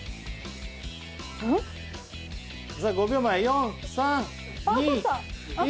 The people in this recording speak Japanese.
５秒前４３２１。